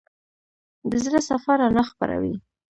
د زړه صفا رڼا خپروي.